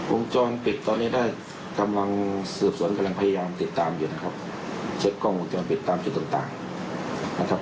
วงจรปิดตอนนี้ได้กำลังสืบสวนกำลังพยายามติดตามอยู่นะครับเช็คกล้องวงจรปิดตามจุดต่างต่างนะครับ